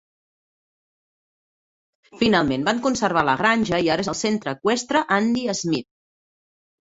Finalment van conservar la granja i ara és el centre eqüestre Andy Smith.